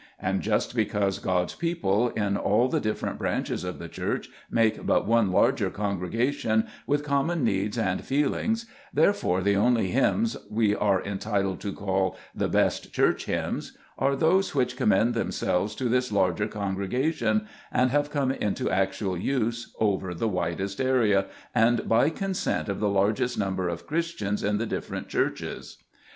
And just because God's people in all the different branches of the Church make but one larger congregation, with com mon needs and feelings, therefore the only hymns we are entitled to call " the best Church hymns '' are those which commend themselves to this larger congregation, and have come into actual use over the widest area, and by consent of the largest number of Christians in the dif ferent Churches.